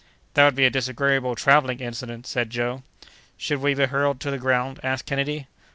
"That would be a disagreeable travelling incident!" said Joe. "Should we be hurled to the ground?" asked Kennedy.